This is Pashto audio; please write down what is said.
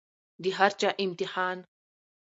د هر چا امتحان